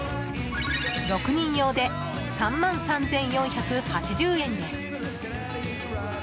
６人用で３万３４８０円です。